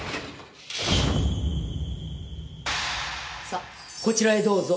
さっこちらへどうぞ。